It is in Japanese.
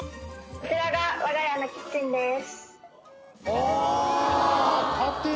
こちらが我が家のキッチンです。